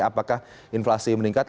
apakah inflasi meningkat